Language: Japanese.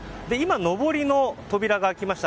上りの扉が開きました。